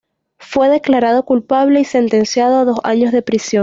Fue declarado culpable y sentenciado a dos años de prisión.